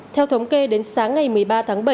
theo thống kê đến sáng ngày một mươi ba tháng bảy